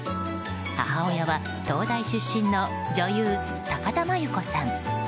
母親は東大出身の女優・高田万由子さん。